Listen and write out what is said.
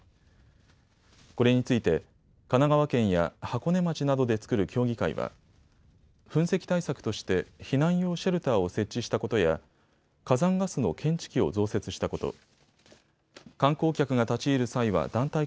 これについて神奈川県や箱根町などで作る協議会は噴石対策として避難用シェルターを設置したことや火山ガスの検知器を増設したこと。